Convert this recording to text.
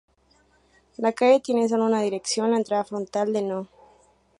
La calle tiene sólo una dirección: la entrada frontal de No.